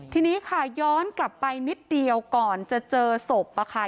ทีนี้ค่ะย้อนกลับไปนิดเดียวก่อนจะเจอศพอะค่ะ